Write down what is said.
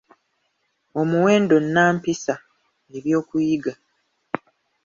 Omuwendo nnampisa: ebyokuyiga